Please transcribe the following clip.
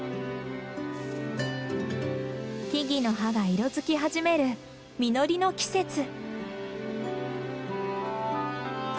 木々の葉が色づき始める実りの季節。